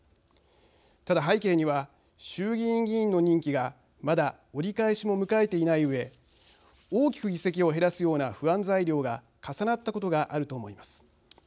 ただ背景には衆議院議員の任期がまだ折り返しも迎えていないうえ大きく議席を減らすような不安材料が重なったことがあると思います。